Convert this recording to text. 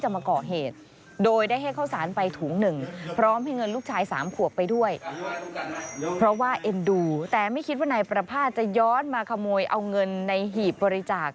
โมยเอาเงินในหีบบริจาค